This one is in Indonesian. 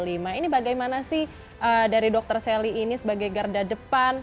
ini bagaimana sih dari dokter sally ini sebagai garda depan